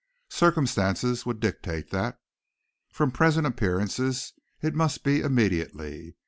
Circumstances would dictate that. From present appearances it must be immediately.